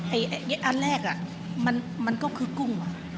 อันแรกมันก็คือกุ้ง